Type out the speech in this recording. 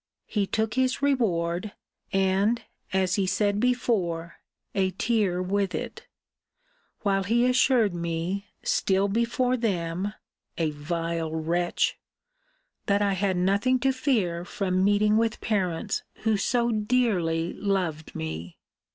He took his reward; and, as he said before, a tear with it. While he assured me, still before them [a vile wretch!] that I had nothing to fear from meeting with parents who so dearly loved me.